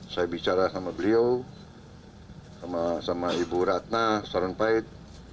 saya bicara sama beliau sama ibu ratna sarumpait